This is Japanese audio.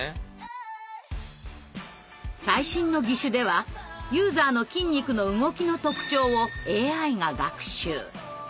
最新の義手ではユーザーの筋肉の動きの特徴をＡＩが学習。